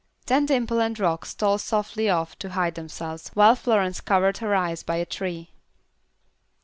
Then Dimple and Rock stole softly off to hide themselves, while Florence covered her eyes by a tree.